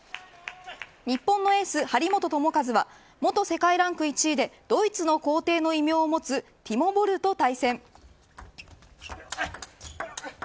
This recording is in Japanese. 日本のエース張本智和は元世界ランク１位でドイツの皇帝の異名を持つティモ・ボルと対戦。